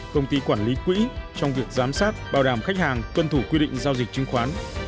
công ty quản lý quỹ trong việc giám sát bảo đảm khách hàng tuân thủ quy định giao dịch chứng khoán